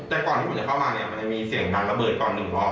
แต่ก่อนที่ผมจะเข้ามามันจะมีเสียงดันระเบิดก่อนหนึ่งรอบ